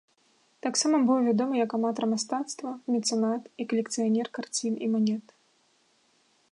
Таксама быў вядомы як аматар мастацтва, мецэнат і калекцыянер карцін і манет.